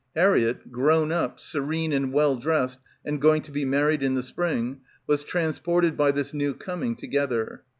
Harriett, grown up, serene and well dressed and going to be married in the spring, was transported by this new coming to gether.